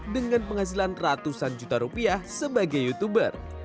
dengan penghasilan ratusan juta rupiah sebagai youtuber